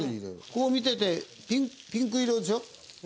こう見ててピンク色でしょ？